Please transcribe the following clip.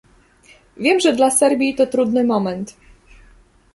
Wiem, że dla Serbii to trudny moment